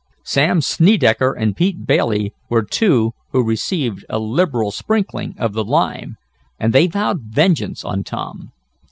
Sam Snedecker and Pete Bailey were two who received a liberal sprinkling of the lime, and they vowed vengeance on Tom.